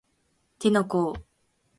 手の甲